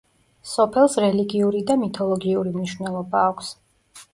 სოფელს რელიგიური და მითოლოგიური მნიშვნელობა აქვს.